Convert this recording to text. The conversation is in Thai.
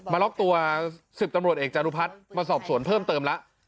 ล็อกตัว๑๐ตำรวจเอกจารุพัฒน์มาสอบสวนเพิ่มเติมแล้ว